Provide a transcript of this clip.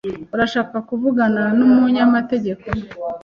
Urashaka kuvugana numunyamategeko?